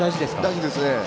大事ですね。